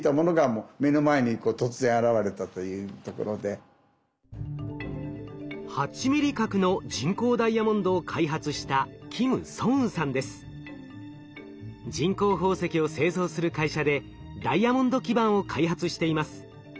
それが８ミリ角の人工ダイヤモンドを開発した人工宝石を製造する会社でダイヤモンド基板を開発しています。